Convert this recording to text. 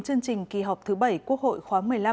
chương trình kỳ họp thứ bảy quốc hội khóa một mươi năm